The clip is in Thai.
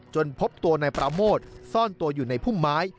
พบตัวนายปราโมทซ่อนตัวอยู่ในพุ่มไม้